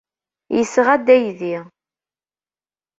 Yesɣa-d aydi.